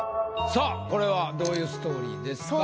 さぁこれはどういうストーリーですか？